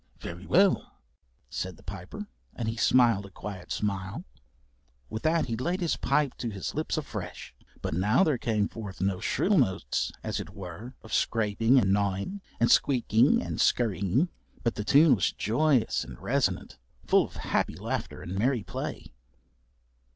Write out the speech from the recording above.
"Very well," said the Piper, and he smiled a quiet smile. With that he laid his pipe to his lips afresh, but now there came forth no shrill notes, as it were, of scraping and gnawing, and squeaking and scurrying, but the tune was joyous and resonant, full of happy laughter and merry play.